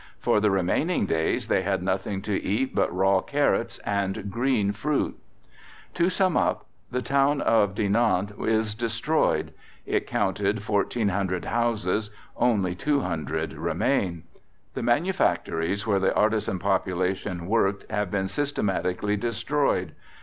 For the remaining days they had nothing to eat but raw carrots and green fruit. To sum up, the town of Dinant is destroyed. It counted 1,400 houses; only 200 remain. The manufactories where the artisan population worked have been systematically destroyed.